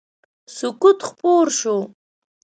سکوت خپور شو.